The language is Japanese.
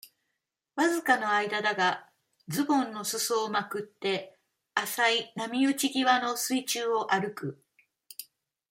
わずかの間だが、ズボンの裾をまくって、浅い波打ち際の水中を歩く。